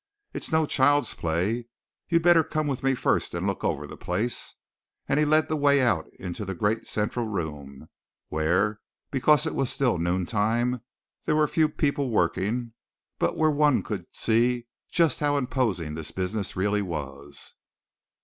It's no child's play. You'd better come with me first and look over the place," and he led the way out into the great central room where, because it was still noon time, there were few people working, but where one could see just how imposing this business really was.